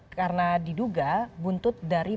karena diduga buntut dari